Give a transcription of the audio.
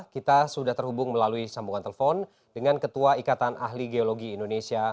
kita sudah terhubung melalui sambungan telepon dengan ketua ikatan ahli geologi indonesia